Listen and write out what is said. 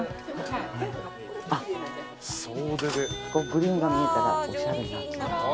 グリーンが見えたらおしゃれ。